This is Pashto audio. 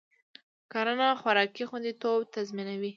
کرنه خوراکي خوندیتوب تضمینوي.